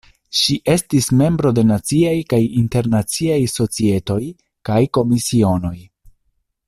Ŝi estis membro de Naciaj kaj Internaciaj Societoj kaj Komisionoj.